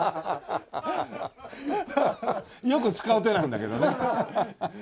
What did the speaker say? よく使う手なんだけどね。